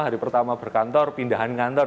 hari pertama berkantor pindahan kantor